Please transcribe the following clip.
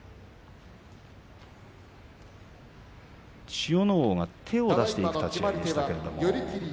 千代ノ皇が手を出していく立ち合いでした。